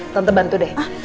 tante bantu deh